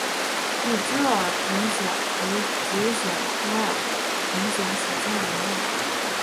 羽枝耳平藓为蕨藓科耳平藓属下的一个种。